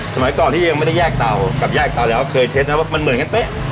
สมัยก่อนที่ยังไม่ได้แยกเตากับแยกเตาแล้วเคยเทสนะว่ามันเหมือนกันเป๊ะ